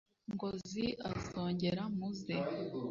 ngozi azongera mu ze.